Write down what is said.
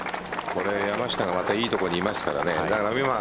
山下がいいところにいますからね。